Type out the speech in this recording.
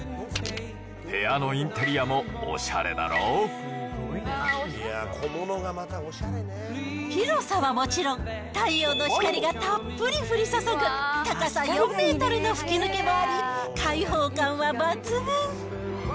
部屋のインテリアもおしゃれだろ広さはもちろん、太陽の光がたっぷり降り注ぐ、高さ４メートルの吹き抜けもあり、開放感は抜群。